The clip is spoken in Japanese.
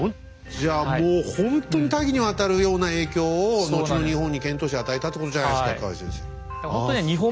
じゃあもうほんとに多岐にわたるような影響を後の日本に遣唐使与えたってことじゃないですか河合先生。